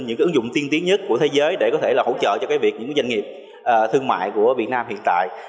những ứng dụng tiên tiến nhất của thế giới để có thể là hỗ trợ cho việc những doanh nghiệp thương mại của việt nam hiện tại